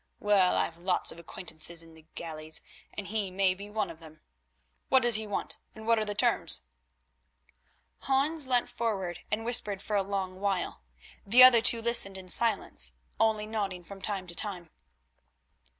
Well, I've lots of acquaintances in the galleys, and he may be one of them. What does he want, and what are the terms?" Hans leant forward and whispered for a long while. The other two listened in silence, only nodding from time to time.